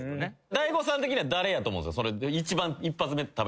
大悟さん的には誰やと思うんすか？